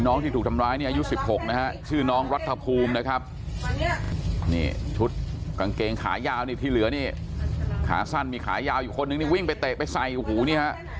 น้องที่ถูกทำร้ายอายุ๑๖ชื่อน้องรัฐภูมิชุดกางเกงขายาวที่เหลือนี่ขาสั้นมีขายาวอยู่คนหนึ่งนี่วิ่งไปเตะไปใส่